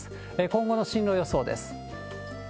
今後の進路予想です。